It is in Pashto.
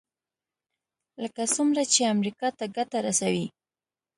لکه څومره چې امریکا ته ګټه رسوي.